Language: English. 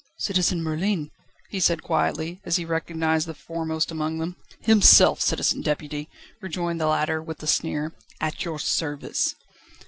"Citizen Merlin!" he said quietly, as he recognised the foremost among them. "Himself, Citizen Deputy," rejoined the latter, with a sneer, "at your service."